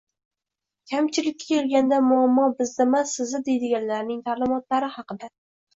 kamchilikka kelganda muammo bizdamas sizda deydiganlarning ta’limotlari haqida.